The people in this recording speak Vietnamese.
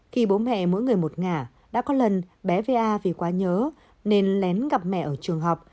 khi bố mẹ mỗi người một ngả đã có lần bé về a vì quá nhớ nên lén gặp mẹ ở trường học